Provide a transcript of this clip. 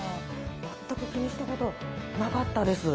全く気にしたことなかったです。